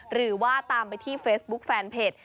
หรือว่าตามไปที่เฟซบุ๊คแฟนเพจ